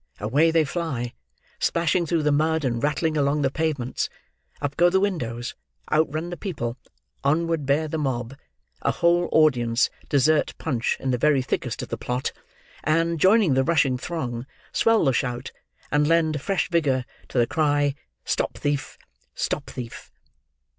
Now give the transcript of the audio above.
Away they fly, splashing through the mud, and rattling along the pavements: up go the windows, out run the people, onward bear the mob, a whole audience desert Punch in the very thickest of the plot, and, joining the rushing throng, swell the shout, and lend fresh vigour to the cry, "Stop thief! Stop thief!"